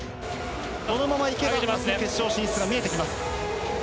このまま行けば決勝進出が見えてきます。